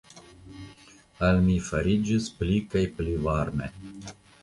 Al mi fariĝis pli kaj pli varme.